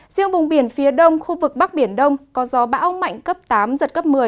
riêng vùng biển phía đông khu vực bắc biển đông có gió bão mạnh cấp tám giật cấp một mươi